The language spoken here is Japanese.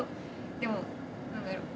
でも何だろう